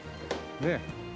ねえ。